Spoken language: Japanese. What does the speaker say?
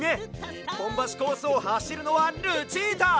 １ぽんばしコースをはしるのはルチータ！